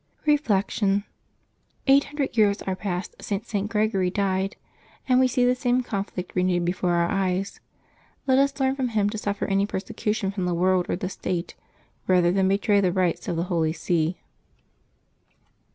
Reflection. — Eight hundred years are passed since St. Gregory died, and we see the same conflict renewed before our eyes. Let us learn from him to suffer any persecution from the world or the state, rather than betray the rights of the Holy See.